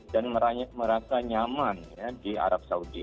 dan merasa nyaman di arab saudi